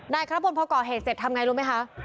นายคัทพลพอก่อเหตุเสร็จทำยังไงรู้ไหมคะ